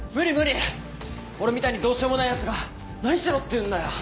俺みたいにどうしようもないやつが何しろっていうんだよ。